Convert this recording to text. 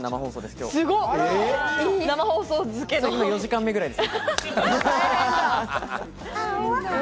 今、４時間目くらいです。